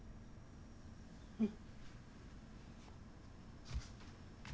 うん。